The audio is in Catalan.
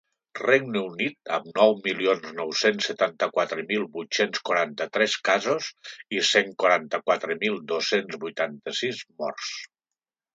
Regne Unit, amb nou milions nou-cents setanta-quatre mil vuit-cents quaranta-tres casos i cent quaranta-quatre mil dos-cents vuitanta-sis morts.